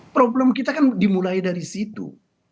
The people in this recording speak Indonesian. problem kita kan dimulai dari situ